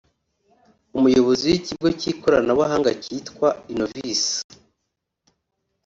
umuyobozi w’ikigo cy’ikoranabuhanga kitwa Innovys